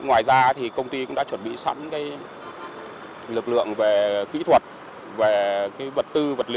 ngoài ra thì công ty cũng đã chuẩn bị sẵn lực lượng về kỹ thuật về vật tư vật liệu